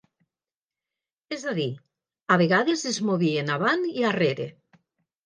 És a dir, a vegades es movien avant i arrere.